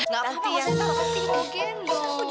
nanti yang gendong